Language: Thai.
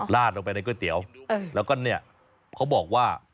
ลาดลงไปในก๋วยเตี๋ยวแล้วก็เนี่ยเขาบอกว่า